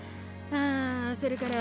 あそれから。